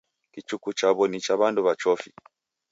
Kichuku chaw'o ni cha w'andu w'a chofi.